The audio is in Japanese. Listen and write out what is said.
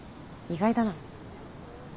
意外だな。